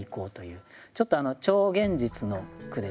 ちょっと超現実の句ですね。